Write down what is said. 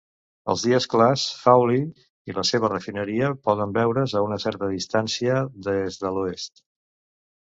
Als dies clars, Fawley i la seva refineria poden veure"s a una certa distància, des de l"oest.